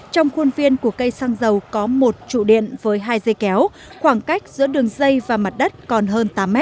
trong khuôn viên của cây xăng dầu có một trụ điện với hai dây kéo khoảng cách giữa đường dây và mặt đất còn hơn tám m